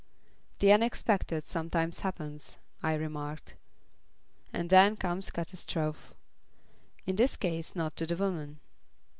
"The unexpected sometimes happens," I remarked. "And then comes catastrophe; in this case not to the woman."